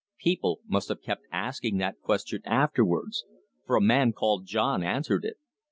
People must have kept asking that question afterwards, for a man called John answered it.